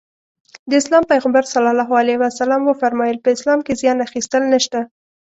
د اسلام پيغمبر ص وفرمايل په اسلام کې زيان اخيستل نشته.